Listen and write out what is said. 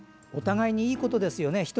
お互いにいいことですよね。